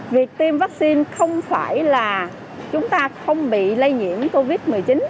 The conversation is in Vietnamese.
việc tiêm vaccine không phải là chúng ta không bị lây nhiễm covid một mươi chín